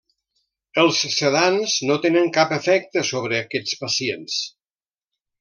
Els sedants no tenen cap efecte sobre aquests pacients.